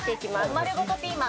まるごとピーマン。